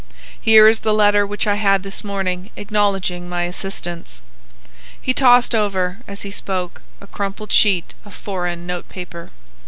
Here is the letter which I had this morning acknowledging my assistance." He tossed over, as he spoke, a crumpled sheet of foreign notepaper.